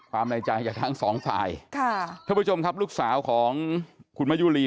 ผมก็ตำรวจกับลูกว่าผมอยู่นี่